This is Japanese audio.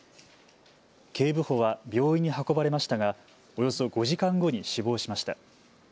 警部補は病院に運ばれましたがおよそ５時間後に死亡しました。